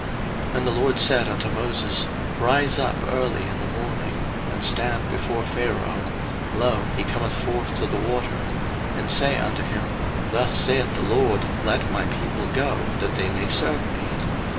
02:008:020 And the LORD said unto Moses, Rise up early in the morning, and stand before Pharaoh; lo, he cometh forth to the water; and say unto him, Thus saith the LORD, Let my people go, that they may serve me.